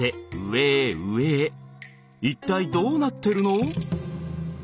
一体どうなってるの？